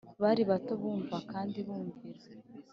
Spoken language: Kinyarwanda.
Bari bato bumva kandi bumvira